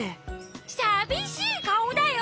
さびしいかおだよ！